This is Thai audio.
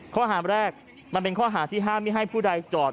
ข้อหาแรกมันเป็นข้อหาที่ห้ามไม่ให้ผู้ใดจอด